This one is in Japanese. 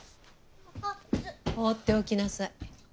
放っておきなさい。